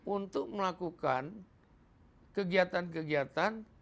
untuk melakukan kegiatan kegiatan